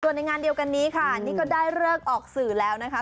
ส่วนในงานเดียวกันนี้ค่ะนี่ก็ได้เลิกออกสื่อแล้วนะคะ